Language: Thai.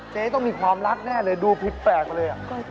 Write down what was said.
เจ๊ต้องมีความรักแน่เลยดูผิดแปลกไปเลย